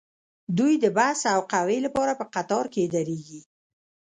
دوی د بس او قهوې لپاره په قطار کې دریږي